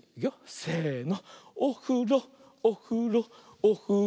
せの。